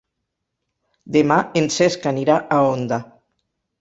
Demà en Cesc anirà a Onda.